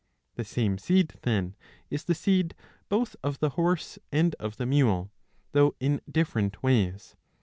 The 641b. 1. I. same seed then is the seed both of the horse and of the mule, though in different ways.